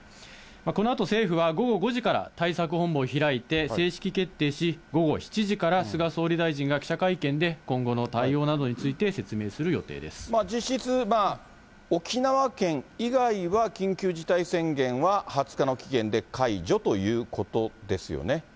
このあと政府は午後５時から、対策本部を開いて正式決定し、午後７時から菅総理大臣が記者会見で今後の対応などについて、説実質、沖縄県以外は緊急事態宣言は２０日の期限で解除ということですよ